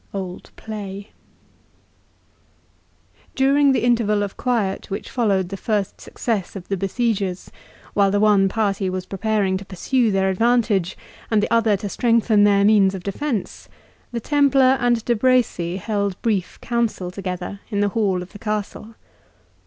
OLD PLAY During the interval of quiet which followed the first success of the besiegers, while the one party was preparing to pursue their advantage, and the other to strengthen their means of defence, the Templar and De Bracy held brief council together in the hall of the castle.